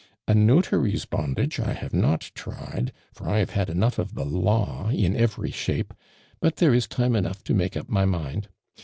A notary's bondage I have )iot tried, for I have had enougli of the law in every shape ; but, there is time enough to make up my mind.